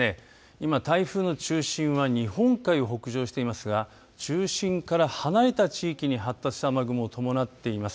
今、台風の中心は日本海を北上していますが中心から離れた地域に発達した雨雲を伴っています。